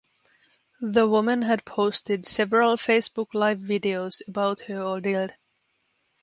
The woman had posted several Facebook Live videos about her ordeal.